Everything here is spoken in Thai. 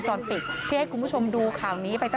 โชว์บ้านในพื้นที่เขารู้สึกยังไงกับเรื่องที่เกิดขึ้น